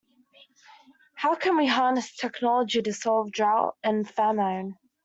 How can we harness technology to solve drought and famine?